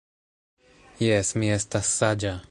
Jes, mi estas saĝa